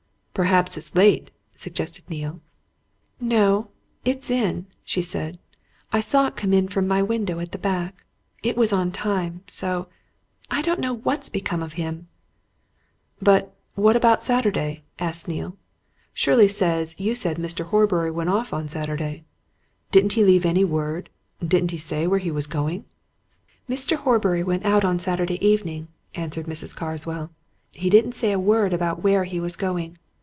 "Perhaps it's late," suggested Neale. "No it's in," she said. "I saw it come in from my window, at the back. It was on time. So I don't know what's become of him." "But what about Saturday?" asked Neale. "Shirley says you said Mr. Horbury went off on Saturday. Didn't he leave any word didn't he say where he was going?" "Mr. Horbury went out on Saturday evening," answered Mrs. Carswell. "He didn't say a word about where he was going.